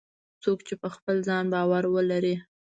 څوک چې په خپل ځان باور ولري